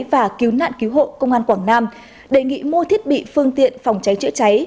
và cứu nạn cứu hộ công an quảng nam đề nghị mua thiết bị phương tiện phòng cháy chữa cháy